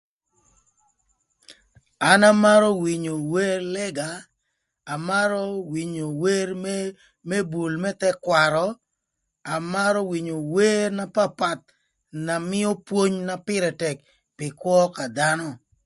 Am amarö winyo wer lëga, amarö winyo wer më bul më thëkwarö, amarö winyo wer na papath na mïö pwony na pïrë tëk pï kwö ka dhanö.